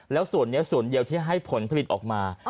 แล้วส่วนนี้ส่วนเดียวที่ให้ผลผลิตออกมา